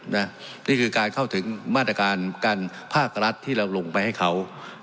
นี่คือการเข้าถึงมาตรการการภาครัฐที่เราลงไปให้เขา